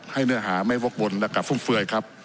เนื้อหาไม่วกวนและกลับฟุ่มเฟือยครับ